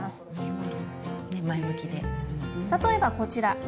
例えばこちら。